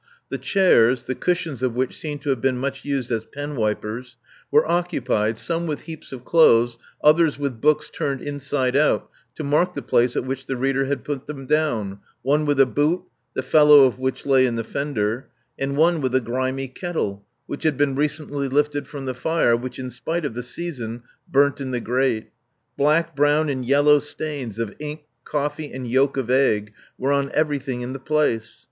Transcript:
The chairs, the cushions of which seemed to have been much used as penwipers, were occupied, some with heaps of clothes, others with books turned inside out to mark the place at which the reader had put them down, one with a boot, the fellow of which lay in the fender, and one with a grimy kettle, which had been recently lifted from the fire which, in spite of the season, burnt in the gprate. Black, brown and yellow stains of ink, coffee, and yolk of cgc^ were on everything in the place.